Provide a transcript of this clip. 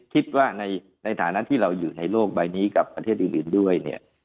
คิดว่าในฐานะที่เราอยู่ในโลกใบนี้กับประเทศอื่นด้วยเนี่ย